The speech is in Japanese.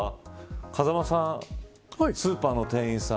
風間さん、スーパーの店員さん